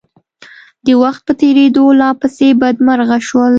د وخت په تېرېدو لا پسې بدمرغه شول.